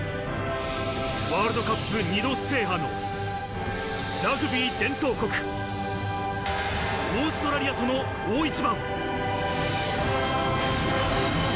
ワールドカップ２度制覇のラグビー伝統国、オーストラリアとの大一番。